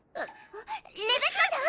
レベッカさん